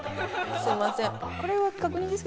すみません。